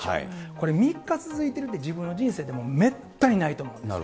これ、３日続いてるって自分の人生でもめったにないと思います。